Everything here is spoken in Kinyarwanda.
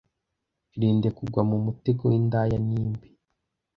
Irinde kugwa mu mutego w indaya nimbi